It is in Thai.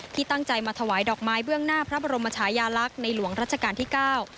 ที่ตั้งใจมาถวายดอกไม้เบื้องหน้าพระบรมชายาลักษณ์ในหลวงรัชกาลที่เก้า